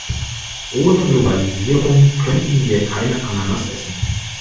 Ohne Globalisierung könnten wir keine Ananas essen.